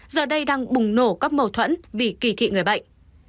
giờ đây đang bùng nổ các mâu thuẫn vì kỳ thị người bệnh